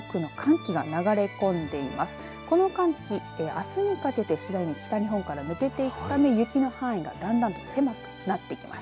この寒気、あすにかけて次第に北日本から抜けていくため雪の範囲がだんだんと狭くなっていきます。